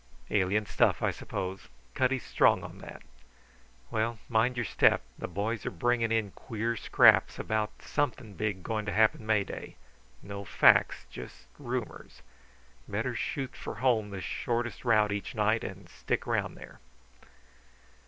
"Alien stuff, I suppose. Cutty's strong on that. Well, mind your step. The boys are bringing in queer scraps about something big going to happen May Day no facts, just rumours. Better shoot for home the shortest route each night and stick round there."